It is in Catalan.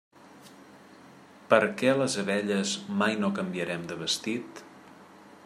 Per què les abelles mai no canviarem de vestit?